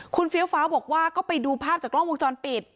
คุณเฟี้ยวฟ้าวบอกว่าก็ไปดูภาพจากกล้องวงจรปิด